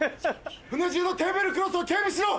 船中のテーブルクロスを警備しろ！